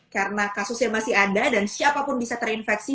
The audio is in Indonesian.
karena kasusnya masih ada dan siapapun bisa terinfeksi